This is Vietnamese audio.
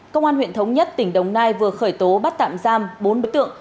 công an huyện thống nhất tỉnh đồng nai vừa khởi tố bắt tạm giam bốn đối tượng